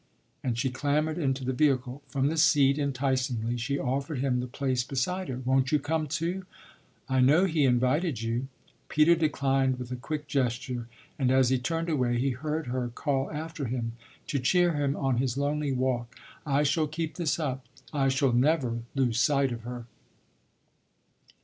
And she clambered into the vehicle. From the seat, enticingly, she offered him the place beside her. "Won't you come too? I know he invited you." Peter declined with a quick gesture and as he turned away he heard her call after him, to cheer him on his lonely walk: "I shall keep this up; I shall never lose sight of her!"